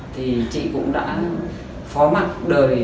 thì chị cũng đã phó mặt đời